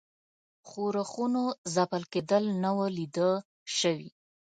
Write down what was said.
ښورښونو ځپل کېدل نه وه لیده شوي.